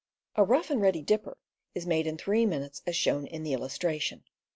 A rough and ready dipper is made in three minutes as shown in the illustration.